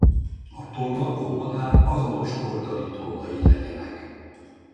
A tollak a madár azonos oldali tollai legyenek.